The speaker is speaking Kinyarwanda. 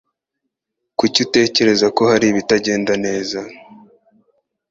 Kuki utekereza ko hari ibitagenda neza?